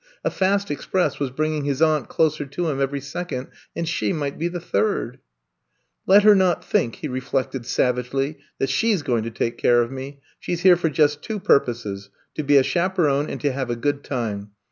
A fast express was bringing his aunt closer to him every second and she might be the third. Let her not think, he reflected sav agely, that she *s going to take care of me. She *s here for just two purposes — to be a chaperon and to have a good time.